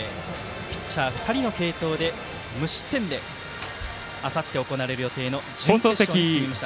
ピッチャー２人の継投で無失点であさって行われる予定の準決勝へ進みました。